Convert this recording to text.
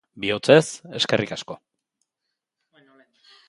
Bihotzez, eskerrik asko.